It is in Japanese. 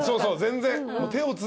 全然。